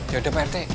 yaudah pak rt